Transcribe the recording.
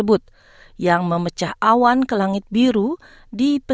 untuk tetap belajar di huruf dua puluh satu